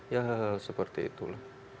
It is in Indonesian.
ya seperti itu lah